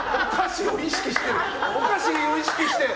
お菓子を意識してる！